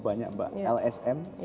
banyak mbak lsm